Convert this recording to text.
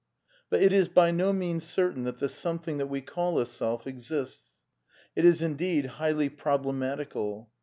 But it is by no means certain that the something that we call a self exists. It is, indeed, highly problematical.